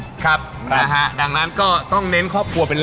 ดูบางอันนี้แน่น